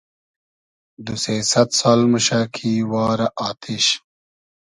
دو سې سئد سال موشۂ کی وارۂ آتیش